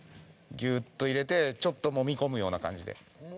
ギューッと入れてちょっともみ込むような感じで。